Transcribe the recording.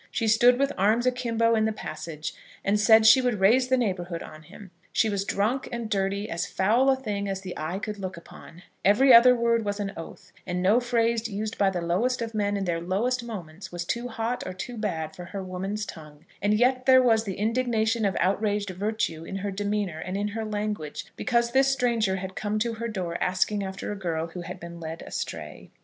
She stood with arms akimbo in the passage, and said she would raise the neighbourhood on him. She was drunk, and dirty, as foul a thing as the eye could look upon; every other word was an oath, and no phrase used by the lowest of men in their lowest moments was too hot or too bad for her woman's tongue; and yet there was the indignation of outraged virtue in her demeanour and in her language, because this stranger had come to her door asking after a girl who had been led astray.